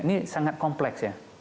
ini sangat kompleks ya